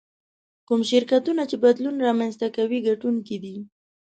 کوم شرکتونه چې بدلون رامنځته کوي ګټونکي دي.